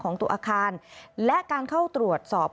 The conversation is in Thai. ของตัวอาคารและการเข้าตรวจสอบ